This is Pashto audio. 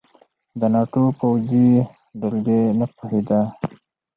د ناټو پوځي دلګۍ نه پوهېده.